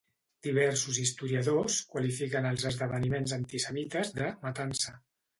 Diversos historiadors qualifiquen els esdeveniments antisemites de "matança".